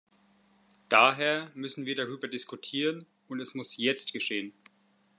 Daher müssen wir darüber diskutieren und es muss jetzt geschehen.